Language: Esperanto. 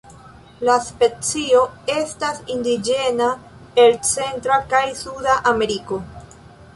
La specio estas indiĝena el Centra kaj Suda Ameriko.